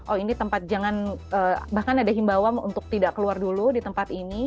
oh ini tempat jangan bahkan ada himbawan untuk tidak keluar dulu di tempat ini